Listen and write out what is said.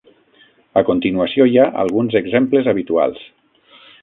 A continuació hi ha alguns exemples habituals.